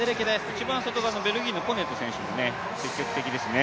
一番外側のベルギーのポネット選手も積極的ですね。